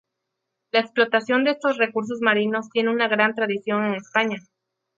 La explotación de estos recursos marinos tiene una gran tradición en España.